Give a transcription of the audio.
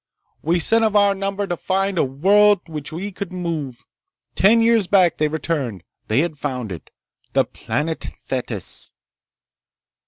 We sent of our number to find a world to which we could move. Ten years back, they returned. They had found it. The planet Thetis."